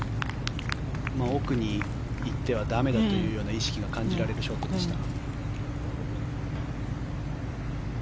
奥に行っては駄目だという意識が感じられるショットでした。